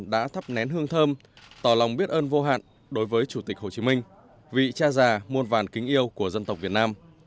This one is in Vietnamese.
đã thắp nén hương thơm tỏ lòng biết ơn vô hạn đối với chủ tịch hồ chí minh vị cha già muôn vàn kính yêu của dân tộc việt nam